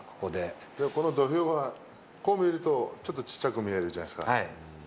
この土俵は、こう見ると、ちょっと小っちゃく見えるじゃないですか。